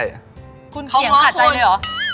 เขาง้อคุณคุณเขียงขาดใจเลยเหรอ